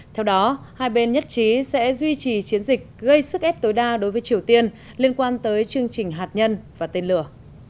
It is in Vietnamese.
theo đó hai bên nhất trí sẽ duy trì chiến dịch gây sức ép tối đa đối với triều tiên liên quan tới chương trình hạt nhân và tên lửa